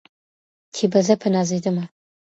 چي به زه په نازېدمه